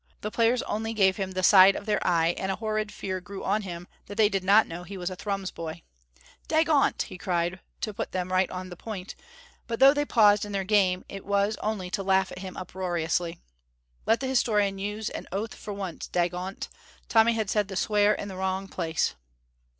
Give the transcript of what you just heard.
The players only gave him the side of their eye, and a horrid fear grew on him that they did not know he was a Thrums boy. "Dagont!" he cried to put them right on that point, but though they paused in their game, it was only to laugh at him uproariously. Let the historian use an oath for once; dagont, Tommy had said the swear in the wrong place!